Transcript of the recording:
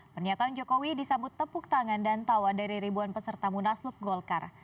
pernyataan jokowi disambut tepuk tangan dan tawa dari ribuan peserta munaslup golkar